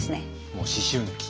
もう思春期？